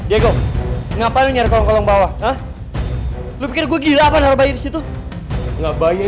jangan lupa like share dan subscribe ya